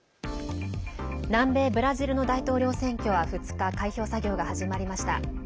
南米ブラジルの大統領選挙は２日開票作業が始まりました。